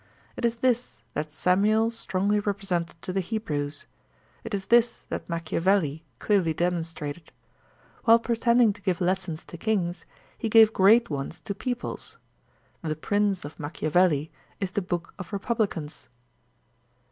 It is this that Samuel strongly represented to the Hebrews; it is this that Machiavelli clearly demonstrated. While pre tending to give lessons to kings, he gave great ones to peoples. The * Prince* of Machiavelli is the book of republicans.